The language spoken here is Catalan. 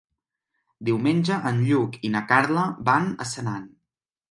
Diumenge en Lluc i na Carla van a Senan.